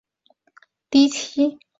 雷迪奇。